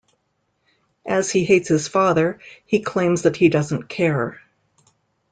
As he hates his father, he claims that he doesn't care.